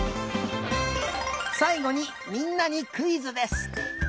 さいごにみんなにクイズです。